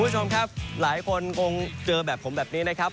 คุณผู้ชมครับหลายคนคงเจอแบบผมแบบนี้นะครับ